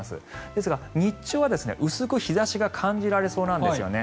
ですが日中は薄く日差しが感じられそうなんですよね。